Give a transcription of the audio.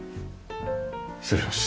失礼します。